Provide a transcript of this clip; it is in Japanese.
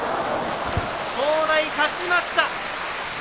正代、勝ちました。